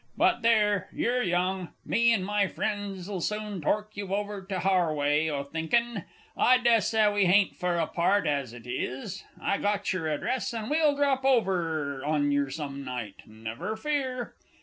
But there, you're young, me and my friends'll soon tork you over to hour way o' thinking. I dessay we 'aint fur apart, as it is. I got yer address, and we'll drop in on yer some night never fear.